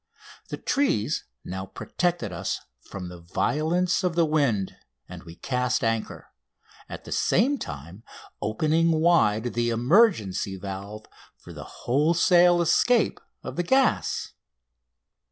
The trees now protected us from the violence of the wind, and we cast anchor, at the same time opening wide the emergency valve for the wholesale escape of the gas.